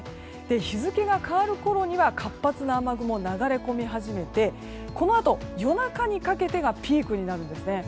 日付が変わることには活発な雨雲が流れ込み始めてこのあと夜中にかけてがピークになるんです。